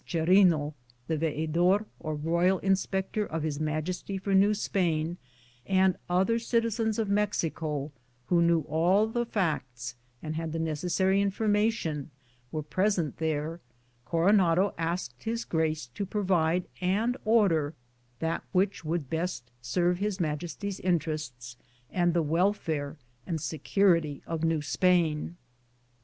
Cherino, the veedor or royal inspector of His Majesty for New Spain, and other citizens of Mexico who knew all the facts and had the necessary information, were present there, Coronado asked His Grace to provide and order that which would best serve His Majesty's interests and the welfare and se curity of New Spain.